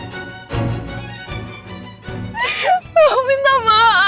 kamu dengerin aku